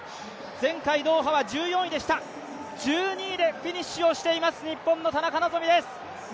前回ドーハは１４位でした、１２位でフィニッシュしています、日本の田中希実です。